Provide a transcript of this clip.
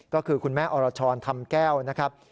ก็คือคุณแม่อรชรธรรมแก้วนะครับ